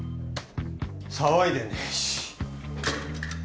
騒いでねし。